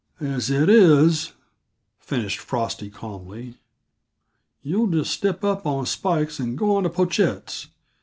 "As it is," finished Frosty calmly, "you'll just step up on Spikes and go on to Pochette's.